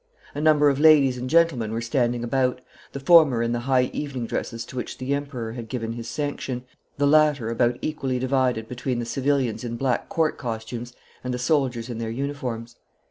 A number of ladies and gentlemen were standing about, the former in the high evening dresses to which the Emperor had given his sanction, the latter about equally divided between the civilians in black court costumes and the soldiers in their uniforms.